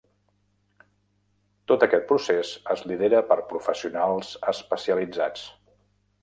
Tot aquest procés es lidera per professionals especialitzats.